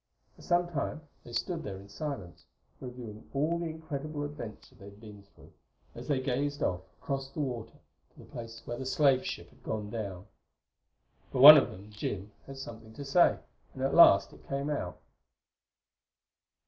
For some time they stood there in silence, reviewing all the incredible adventure they had been through, as they gazed off across the water to the place where the slave ship had gone down. But one of them Jim had something to say, and at last it came out.